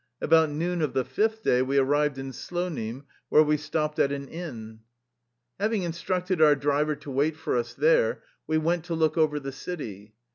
About noon of the fifth day we arrived in Slonim where we stopped at an inn. Having instructed our driver to wait for us there, we went to look over the city.